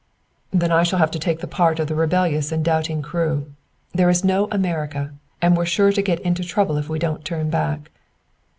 "Then I shall have to take the part of the rebellious and doubting crew. There is no America, and we're sure to get into trouble if we don't turn back."